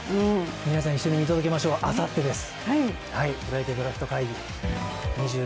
皆さん、一緒に見届けましょう、あさってです。